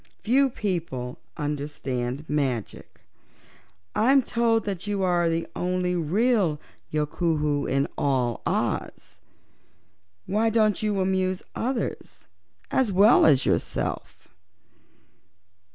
Few people understand magic. I'm told that you are the only real Yookoohoo in all Oz. Why don't you amuse others as well as yourself?"